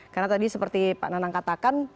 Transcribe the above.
karena tadi seperti pak nanang katakan